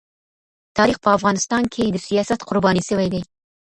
تاریخ په افغانستان کي د سیاست قرباني سوی دی.